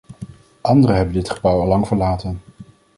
Anderen hebben dit gebouw allang verlaten.